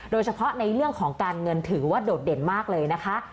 โดยเฉพาะในเรื่องของการเงินถือว่าโดดเด่นมากเลยนะคะ